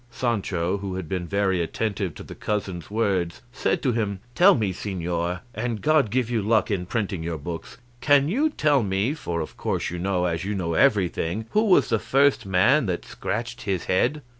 Sancho, who had been very attentive to the cousin's words, said to him, "Tell me, señor and God give you luck in printing your books can you tell me (for of course you know, as you know everything) who was the first man that scratched his head?